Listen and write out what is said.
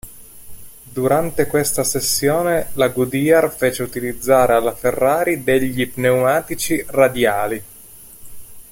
Durante questa sessione la Goodyear fece utilizzare alla Ferrari degli pneumatici radiali.